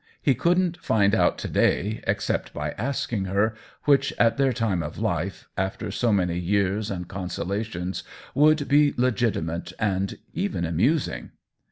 He couldn't find out to day except by asking her, which, at their time of life, after so many years and consolations, would be legitimate and even amusing.